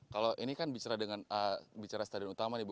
kalau ini kan bicara dengan a bicara dengan b